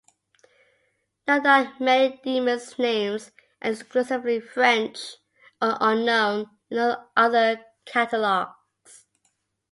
Note that many demons' names are exclusively French or unknown in other catalogs.